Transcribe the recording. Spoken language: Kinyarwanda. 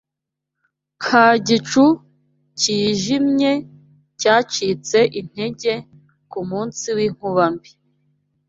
Nka gicu cyijimye cyacitse intege kumunsi winkuba mbi